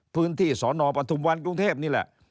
พื้นที่สนปฐุมวันกรุงเทพนี่แหละ